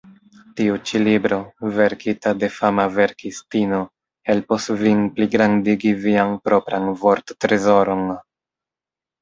Tiu ĉi libro, verkita de fama verkistino, helpos vin pligrandigi vian propran vorttrezoron.